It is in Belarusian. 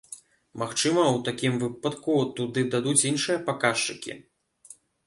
Магчыма, у такім выпадку туды дададуць іншыя паказчыкі?